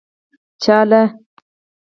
چا له.